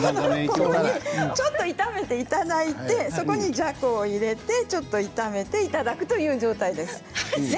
ちょっと炒めていただいてそこに、じゃこを入れて炒めていただくという状態です。